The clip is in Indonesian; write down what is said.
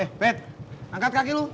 eh pet angkat kaki lu